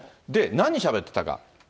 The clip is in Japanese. で、何しゃべってたか。